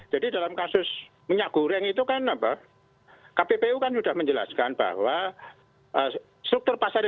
jadi dalam kasus minyak goreng itu kan kpu kpu kan sudah menjelaskan bahwa struktur pasar industri